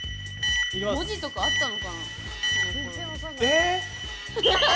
文字とかあったのかな。